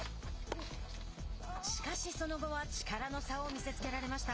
しかし、その後は力の差を見せつけられました。